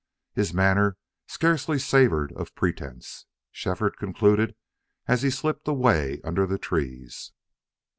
His manner scarcely savored of pretense, Shefford concluded, as he slipped away under the trees.